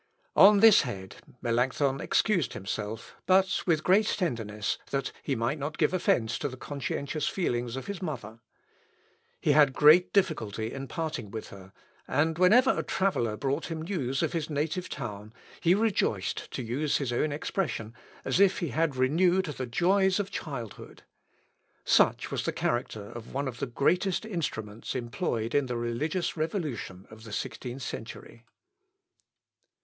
On this head, Melancthon excused himself, but with great tenderness, that he might not give offence to the conscientious feelings of his mother; he had great difficulty in parting with her, and whenever a traveller brought him news of his native town, he rejoiced, to use his own expression, as if he had renewed the joys of his childhood. Such was the character of one of the greatest instruments employed in the religious revolution of the sixteenth century.